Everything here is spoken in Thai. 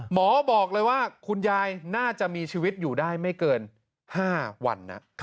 หมอบอกเลยว่าคุณยายน่าจะมีชีวิตอยู่ได้ไม่เกิน๕วัน